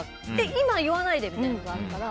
今言わないでみたいなことがあるから。